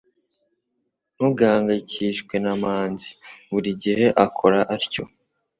Ntugahangayikishwe na Manzi. Buri gihe akora atyo.